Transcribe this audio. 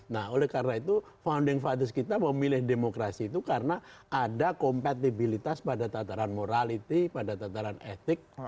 nah oleh karena itu founding fathers kita memilih demokrasi itu karena ada kompatibilitas pada tataran morality pada tataran etik